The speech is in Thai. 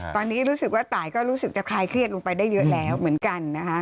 ตอนนี้รู้สึกว่าตายก็รู้สึกจะคลายเครียดลงไปได้เยอะแล้วเหมือนกันนะคะ